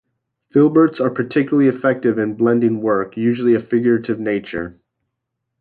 Filberts are particularly effective in blending work, usually of a figurative nature.